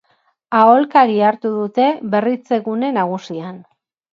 Aholkari hartu dute Berritzegune Nagusian.